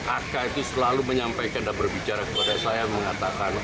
aka itu selalu menyampaikan dan berbicara kepada saya mengatakan